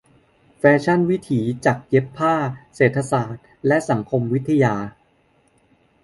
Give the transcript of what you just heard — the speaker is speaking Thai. แฟชั่นวิถี-จักรเย็บผ้า-เศรษฐศาสตร์และสังคมวิทยา.